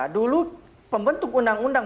dulu pembentuk undang undang